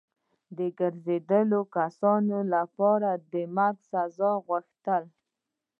ګرځېدلو کسانو لپاره د مرګ د سزا غوښتل.